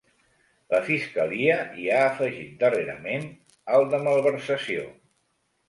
La fiscalia hi ha afegit darrerament el de malversació.